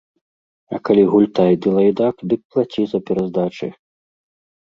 А калі гультай ды лайдак, дык плаці за пераздачы.